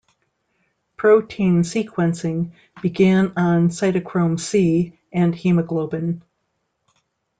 Protein sequencing began on cytochrome C and Hemoglobin.